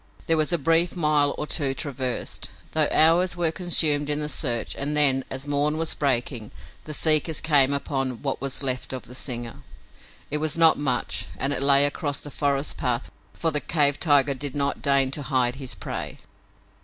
There was a brief mile or two traversed, though hours were consumed in the search, and then, as morn was breaking, the seekers came upon what was left of the singer. It was not much and it lay across the forest pathway, for the cave tiger did not deign to hide his prey.